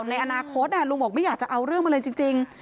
ในอนาคตลุงบอกไม่อยากจะเอาเรื่องมาเลยจริง